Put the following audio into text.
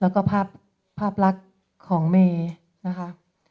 แล้วก็ภาพลักษณ์ของเมย์นะคะ